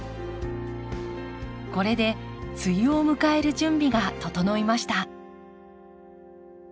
これで梅雨を迎える準備が整いました。